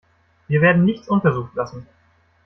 Wir werden nichts unversucht lassen.